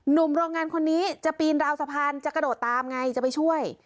หนุ่มโรงงานคนนี้จะปีนราวสะพานจะกระโดดตามไงจะไปช่วย